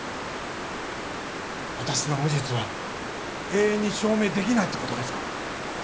私の無実は永遠に証明できないってことですか？